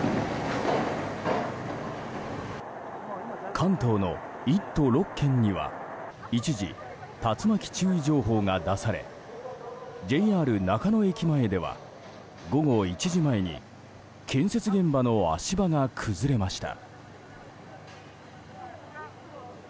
関東の１都６県には一時竜巻注意情報が出されＪＲ中野駅前では午後１時前に建設現場の足場が崩れました。